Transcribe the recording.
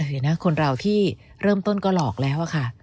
เออคนเราที่เริ่มต้นก็หลอกแล้วค่ะ